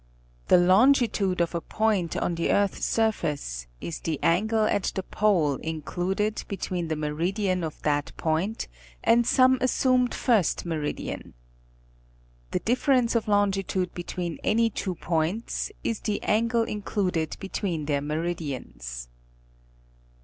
"The longitude of a point on the earth's surface is the angle at the Pole included between the meridian of that point and some assumed first meridian. he difference of longitude between any two points is the angle included between their meridians."